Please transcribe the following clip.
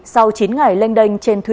sau chín ngày lênh đênh trên thủy